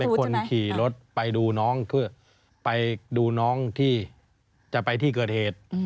คนขี่รถไปดูน้องเพื่อไปดูน้องที่จะไปที่เกิดเหตุ